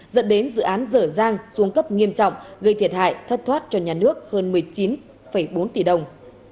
dẫn đến dự án dở dang xuống cấp nghiêm trọng gây thiệt hại thất thoát cho nhà nước hơn một mươi chín bốn tỷ đồng